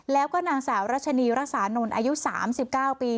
แล้วก็นางสาวรัชนีรักษานนท์อายุ๓๙ปี